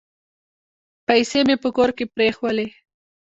پیسې مي په کور کې پرېښولې .